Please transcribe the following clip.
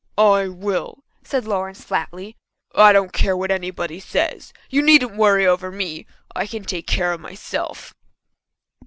"I will," said Lawrence flatly. "I don't care what anybody says. You needn't worry over me. I can take care of myself."